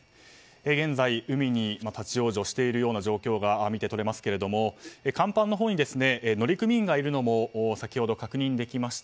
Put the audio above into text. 現在、海に立ち往生している様子が見て取れますが、甲板のほうに乗組員がいるのも先ほど確認できました。